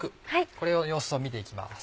これの様子を見て行きます。